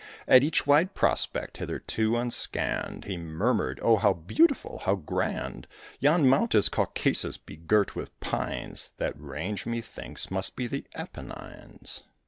At each wide prospect, hitherto unscanned, He murmured, "Oh, how beautiful! how grand! Yon mount is Caucasus, begirt with pines; That range, methinks, must be the Apennines."